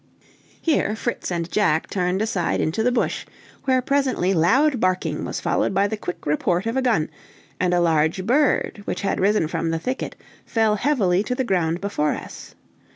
Here Fritz and Jack turned aside into the bush, where presently loud barking was followed by the quick report of a gun, and a large bird, which had risen from thicket, fell heavily to the ground before us.